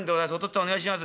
お願いします